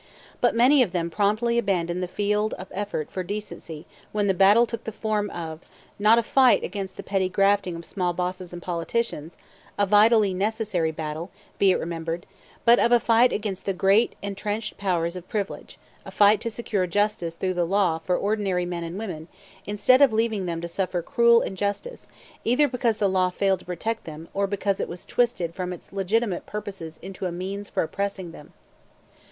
But many of them promptly abandoned the field of effort for decency when the battle took the form, not of a fight against the petty grafting of small bosses and small politicians a vitally necessary battle, be it remembered but of a fight against the great intrenched powers of privilege, a fight to secure justice through the law for ordinary men and women, instead of leaving them to suffer cruel injustice either because the law failed to protect them or because it was twisted from its legitimate purposes into a means for oppressing them.